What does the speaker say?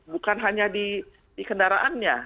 bukan hanya di kendaraannya